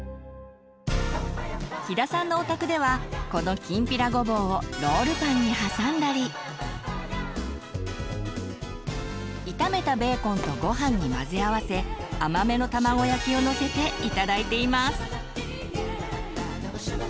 飛田さんのお宅ではこのきんぴらごぼうをロールパンにはさんだり炒めたベーコンとご飯に混ぜ合わせ甘めの卵焼きをのせて頂いています。